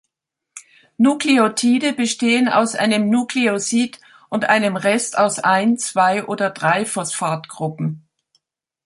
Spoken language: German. Nukleotide bestehen aus einem Nukleosid und einem Rest aus ein, zwei oder drei Phosphatgruppen.